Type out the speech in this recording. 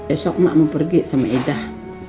esok mak mau pergi sama idah